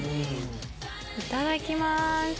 いただきます！